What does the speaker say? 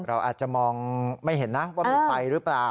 เราอาจจะมองไม่เห็นนะว่ามีไฟหรือเปล่า